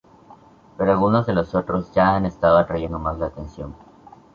Pero algunos de los otros ya han estado atrayendo más atención.